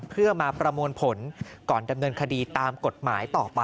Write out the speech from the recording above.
เพื่อมาประมวลผลก่อนดำเนินคดีตามกฎหมายต่อไป